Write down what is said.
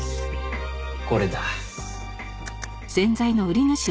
これだ。